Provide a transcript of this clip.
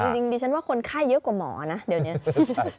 จริงดิฉันว่าคนไข้เยอะกว่าหมอนะเดี๋ยวนี้